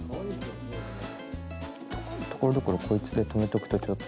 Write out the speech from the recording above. ところどころこいつで留めとくとちょっと。